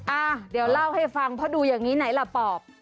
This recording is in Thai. อ่ะเดี๋ยวเล่าให้ฟังเพราะดูอย่างนี้ไหนล่ะปอบ